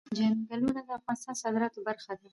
چنګلونه د افغانستان د صادراتو برخه ده.